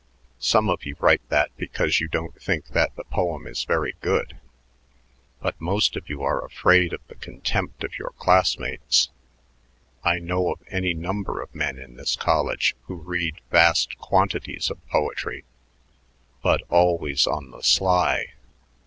Some of you write that because you don't think that the poem is very good, but most of you are afraid of the contempt of your classmates. I know of any number of men in this college who read vast quantities of poetry, but always on the sly.